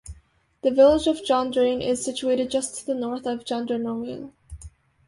The village of Jandrain is situated just to the north of Jandrenouille.